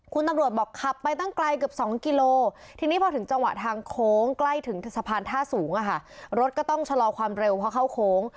คุณตำรวจบอกขับไปตั้งไกลเกือบ๒กิโลทีนี้พอถึงจังหวะทางโค้งใกล้ถึงสะพานท่าสูงรถก็ต้องชะลอความเร็วเพราะเข้าโค้ง